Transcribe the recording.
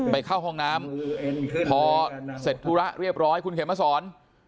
ไปเข้าห้องน้ำพอเสร็จธุระเรียบร้อยคุณเขมมาสอน